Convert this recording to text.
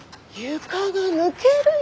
床が抜けるよ！